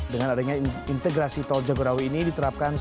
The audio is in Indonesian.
dengan adanya integrasi tol jagorawi ini diterapkan